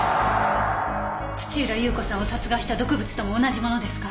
土浦裕子さんを殺害した毒物とも同じものですか？